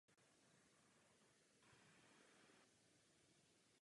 V závěru své profesní kariéry působil v Československém rozhlase Praha.